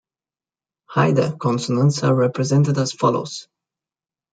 Haida consonants are represented as follows.